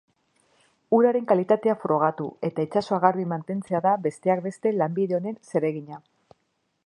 Uraren kalitatea frogatu eta itsasoa garbi mantentzea da besteak beste lanbide honen zereginak.